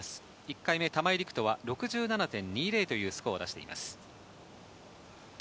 １回目の玉井は６７．２０というスコアを出しています。